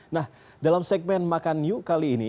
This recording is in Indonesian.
nah dalam segmen makan new kali ini